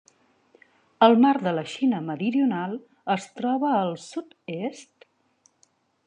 El mar de la Xina Meridional es troba al sud-est.